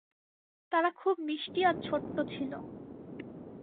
তারা খুব মিষ্টি আর ছোট্ট ছিল।